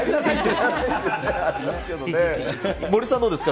森さんはどうですか？